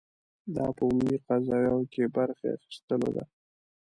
دا په عمومي قضایاوو کې برخې اخیستلو ده.